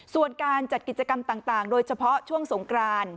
ส่วนการจัดกิจกรรมต่างโดยเฉพาะช่วงสงกราน